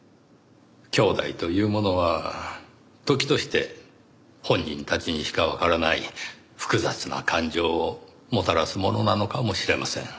兄弟というものは時として本人たちにしかわからない複雑な感情をもたらすものなのかもしれません。